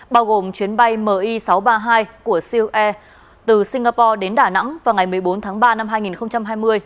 bao gồm chuyến bay mi sáu trăm ba mươi hai của ceo air từ singapore đến đà nẵng vào ngày một mươi bốn tháng ba năm hai nghìn hai mươi